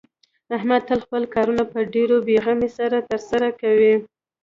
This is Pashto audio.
احمد تل خپل کارونه په ډېرې بې غمۍ سره ترسره کوي.